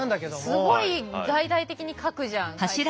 すごい大々的に書くじゃん会社に。